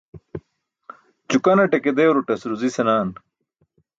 Ćukanaṭe ke dewrutas ruzi senaaan.